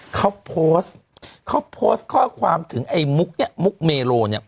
เขาโพสต์เขาโพสต์ข้อความถึงไอ้มุกเนี่ยมุกเมโลเนี่ย